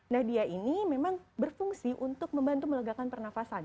nah dia ini memang berfungsi untuk membantu melegakan pernafasan